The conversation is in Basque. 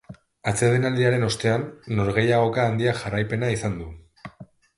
Atsedenaldiaren ostean norgehiagoka handiak jarraipena izan du.